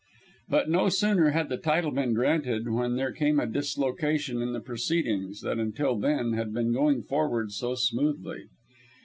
But no sooner had the title been granted when there came a dislocation in the proceedings that until then had been going forward so smoothly.